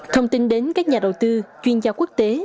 thông tin đến các nhà đầu tư chuyên gia quốc tế